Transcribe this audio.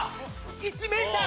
１ｍ。